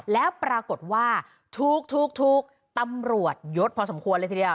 แล้วปรากฏว่าถูกตำรวจยดพอสมควรเลยทีเดียว